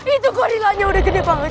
itu gorilanya udah gede banget